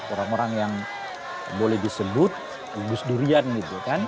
orang orang yang boleh disebut gus durian gitu kan